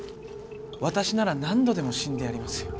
私なら何度でも死んでやりますよ。